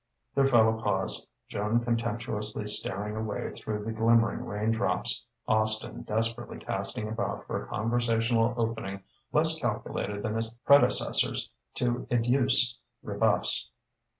There fell a pause, Joan contemptuously staring away through the glimmering rain drops, Austin desperately casting about for a conversational opening less calculated than its predecessors to educe rebuffs.